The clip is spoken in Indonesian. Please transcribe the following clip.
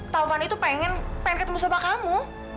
taufan itu pengen ketemu sama kamu